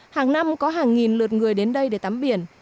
hàng năm có hàng nghìn lượt người đến đây để tắm biển